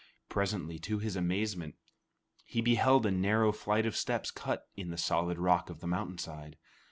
Presently, to his amazement, he beheld a narrow flight of steps cut in the solid rock of the mountainside.